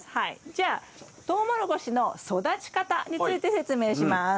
じゃあトウモロコシの育ち方について説明します。